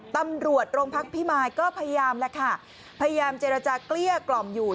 ตำรวจโรงพักพิมายก็พยายามแล้วค่ะพยายามเจรจาเกลี้ยกล่อมอยู่